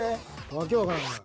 訳わからんな。